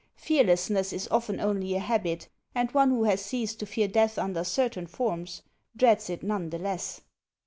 Fearless ness is often only a habit ; and one who has ceased to fear death under certain forms, dreads it none the less.